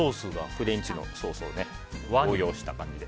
フレンチのソースを応用した感じで。